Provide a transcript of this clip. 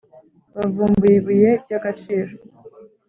Bavumbuye ibuye ry agaciro